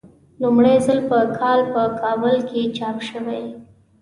لومړی ځل په کال په کابل کې چاپ شوی.